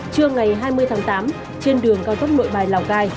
trưa ngày hai mươi tháng tám trên đường cao tốc nội bài lào cai